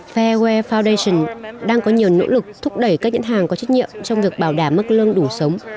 fair foundation đang có nhiều nỗ lực thúc đẩy các nhãn hàng có trách nhiệm trong việc bảo đảm mức lương đủ sống